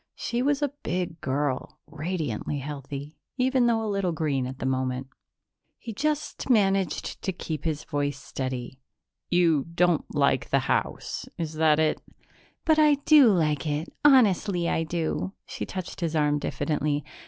She was a big girl, radiantly healthy, even though a little green at the moment. He just managed to keep his voice steady. "You don't like the house is that it? "But I do like it. Honestly I do." She touched his arm diffidently.